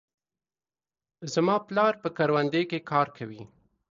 زما پلار په کروندې کې کار کوي.